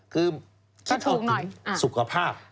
คือคิดถึงสุขภาพ